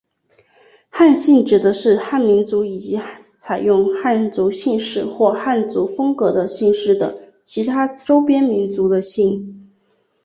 汉姓指的是汉民族以及采用汉族姓氏或汉族风格的姓氏的其他周边民族的姓。